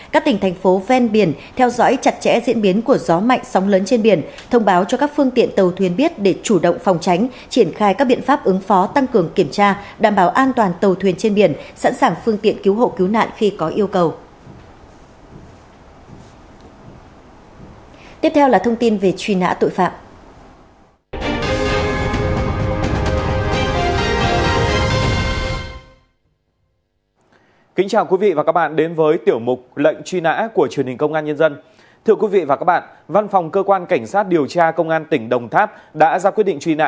các tỉnh thành phố ven biển theo dõi chặt chẽ diễn biến của gió mạnh sóng lớn trên biển thông báo cho các phương tiện tàu thuyền biết để chủ động phòng tránh triển khai các biện pháp ứng phó tăng cường kiểm tra đảm bảo an toàn tàu thuyền trên biển sẵn sàng phương tiện cứu hộ cứu nạn khi có yêu cầu